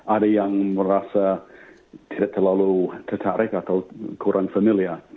ada yang merasa tidak terlalu tertarik atau kurang familiar